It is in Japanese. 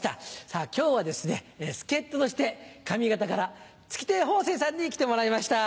さぁ今日はですね助っ人として上方から月亭方正さんに来てもらいました。